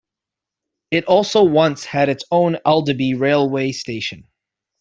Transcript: It also once had its own Aldeby railway station.